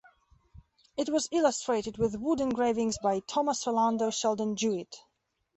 It was illustrated with wood engravings by Thomas Orlando Sheldon Jewitt.